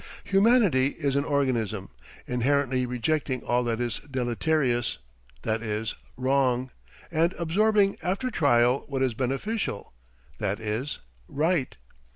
Humanity is an organism, inherently rejecting all that is deleterious, that is, wrong, and absorbing after trial what is beneficial, that is, right.